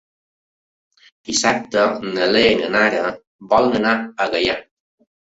Dissabte na Lea i na Nara volen anar a Gaià.